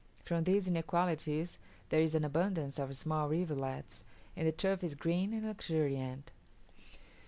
From these inequalities there is an abundance of small rivulets, and the turf is green and luxuriant.